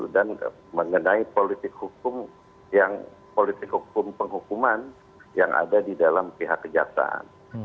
dan mengenai politik hukum penghukuman yang ada di dalam pihak kejaksaan